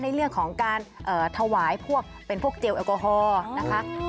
ในเรื่องของการถวายพวกเป็นพวกเจลแอลกอฮอล์นะคะ